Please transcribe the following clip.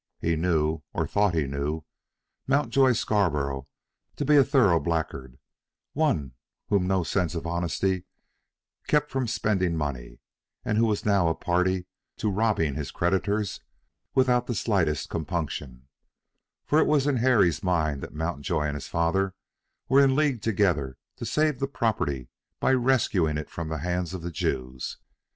He knew, or thought that he knew, Mountjoy Scarborough to be a thorough blackguard; one whom no sense of honesty kept from spending money, and who was now a party to robbing his creditors without the slightest compunction, for it was in Harry's mind that Mountjoy and his father were in league together to save the property by rescuing it from the hands of the Jews.